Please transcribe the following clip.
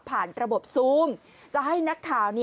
ระบบซูมจะให้นักข่าว